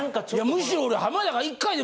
むしろ俺。